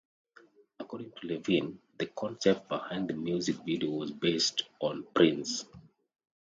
According to Levine, the concept behind the music video was based on Prince.